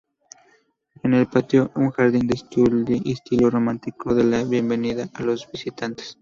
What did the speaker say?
En el patio, un jardín de estilo romántico da la bienvenida a los visitantes.